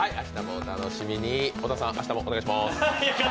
小田さん、明日もお願いしまーす。